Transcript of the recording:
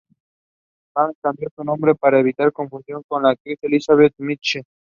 Banks cambió su nombre para evitar confusión con la actriz Elizabeth Mitchell.